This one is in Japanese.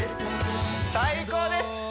最高です！